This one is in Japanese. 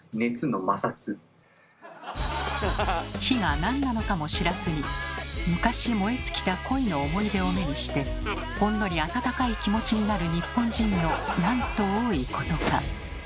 火がなんなのかも知らずに昔燃え尽きた恋の思い出を目にしてほんのり温かい気持ちになる日本人のなんと多いことか。